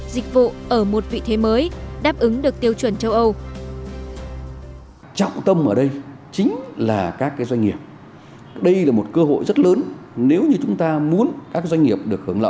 dịch vụ ở một vị thế mới đáp ứng được tiêu chuẩn châu âu